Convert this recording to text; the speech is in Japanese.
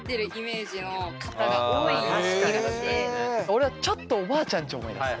俺はちょっとおばあちゃんち思い出す。